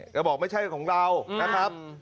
จะบอกไม่ใช่ของเรานะครับ